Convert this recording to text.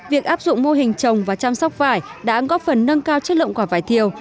việc áp dụng mô hình trồng và chăm sóc vải đã góp phần nâng cao chất lượng quả vải thiều